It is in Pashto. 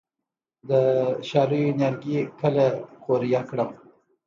د شالیو نیالګي کله قوریه کړم؟